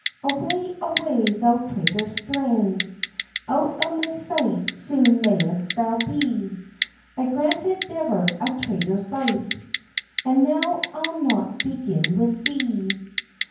"Away, away, thou traitor strang! Out of my sight soon may'st thou be! I granted never a traitor's life, And now I'll not begin with thee."